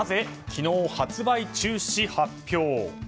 昨日発売中止発表。